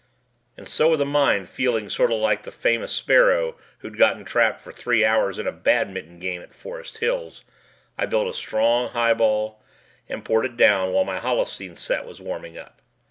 And so with a mind feeling sort of like the famous sparrow who'd gotten trapped for three hours in a badminton game at Forest Hills, I built a strong highball, and poured it down while my halluscene set was warming up.